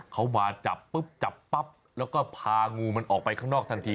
เขามาจับปุ๊บจับปั๊บแล้วก็พางูมันออกไปข้างนอกทันที